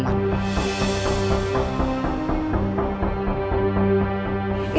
paket makanan buat bu andin